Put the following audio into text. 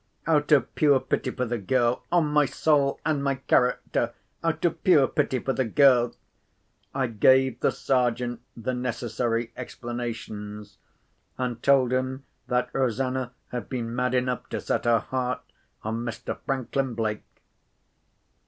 Out of pure pity for the girl—on my soul and my character, out of pure pity for the girl—I gave the Sergeant the necessary explanations, and told him that Rosanna had been mad enough to set her heart on Mr. Franklin Blake.